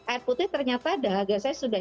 air putih ternyata dahaga saya sudah